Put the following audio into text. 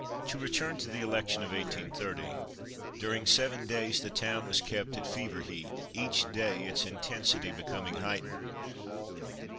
To return to the election of 1830. During seven days the town was kept at fever heat, each day its intensity becoming heightened.